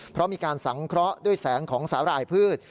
เพราะมีการสังเคราะห์ด้วยแสงของสาหร่ายพืช